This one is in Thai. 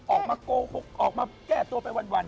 ออกมาโกหกออกมาแก้ตัวไปวัน